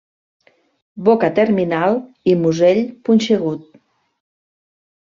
Boca terminal i musell punxegut.